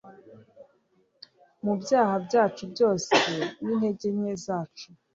Mu byaha byacu byose n'intege nke zacu